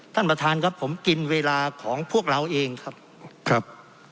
ท่านประธานครับผมกินเวลาของพวกเราเองครับครับ